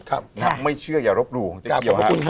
ถ้าไม่เชื่ออย่ารบดูของเจ๊เกียวนะครับ